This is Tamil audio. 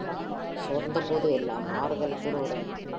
சோர்ந்தபோது எல்லாம் ஆறுதல் கூறுகிறார்.